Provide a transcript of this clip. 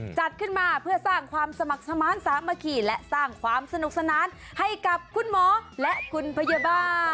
จัดขึ้นมาเพื่อสร้างความสมัครสมาร์ทสามัคคีและสร้างความสนุกสนานให้กับคุณหมอและคุณพยาบาล